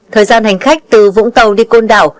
thời gian hành khách từ vũng tàu đi côn đảo